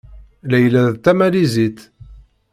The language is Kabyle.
Layla d Tamalizit.